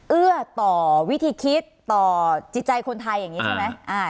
เอื้อต่อวิธีคิดต่อจิตใจคนไทยอย่างนี้ใช่ไหม